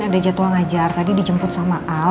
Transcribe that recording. ada jadwal ngajar tadi dijemput sama al